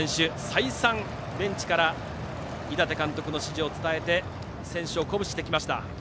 再三、ベンチから井達監督の指示を伝えて選手を鼓舞してきました。